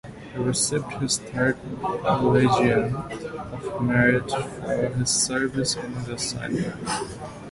He received his third Legion of Merit for his service in this assignment.